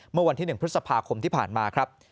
เมื่อวันที่๑พฤษภาคมที่ผ่านมาครับ